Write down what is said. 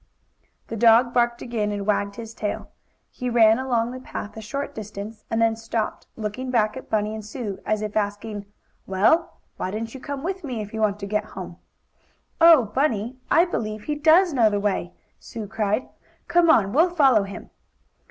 The dog barked again, and wagged his tail. He ran along the path a short distance, and then stopped, looking back at Bunny and Sue as if asking: "Well, why don't you come with me if you want to get home?" "Oh, Bunny, I believe he does know the way!" Sue cried. "Come on, we'll follow him!"